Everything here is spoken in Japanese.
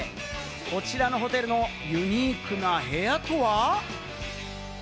こちらのホテルのユニークな部屋とは？